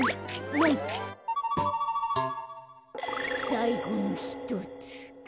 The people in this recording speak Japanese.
さいごのひとつ。